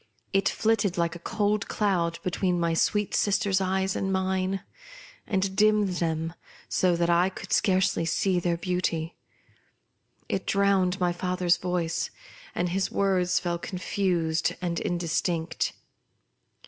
It flitted like a cold cloud be tween my sweet sister's eyes and mine, and dimmed them so that I could scarcely see their beauty. It drowned my father's voice, and his words fell confused and indistinct.